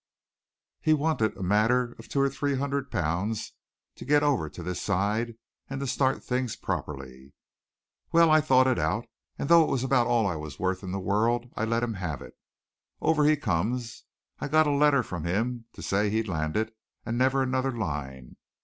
He wanted a matter of two or three hundred pounds to get over to this side, and to start things properly. Well, I thought it out, and though it was about all I was worth in the world, I let him have it. Over he comes. I got a letter from him to say he'd landed, and never another line.